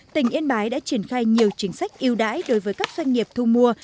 tỉnh yên bái đã triển khai nhiều chính sách yêu đáy đối với các doanh nghiệp thu mua